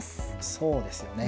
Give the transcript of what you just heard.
そうですよね。